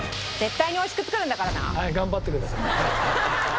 はい頑張ってください。